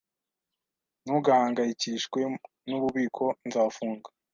Ntugahangayikishwe nububiko. Nzafunga.